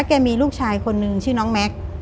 แกมีลูกชายคนนึงชื่อน้องแม็กซ์